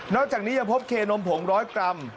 จากนี้ยังพบเคนมผง๑๐๐กรัม